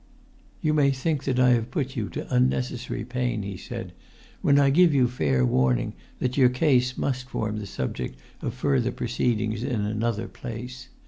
"You may think that I have put you to unnecessary[Pg 73] pain," he said, "when I give you fair warning that your case must form the subject of further proceedings in another place.